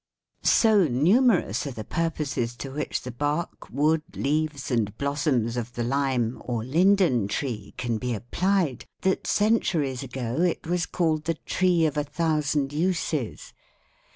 "So numerous are the purposes to which the bark, wood, leaves and blossoms of the lime, or linden, tree can be applied that centuries ago it was called the tree of a thousand uses.